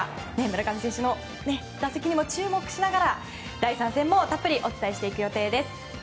村上選手の打席にも注目しながら第３戦もたっぷりとお伝えしていく予定です。